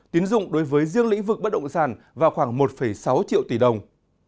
tín dụng đối với riêng lĩnh vực bất động sản vào khoảng một sáu triệu tỷ đồng